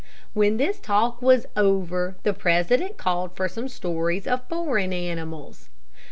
When this talk was over, the president called for some stories of foreign animals.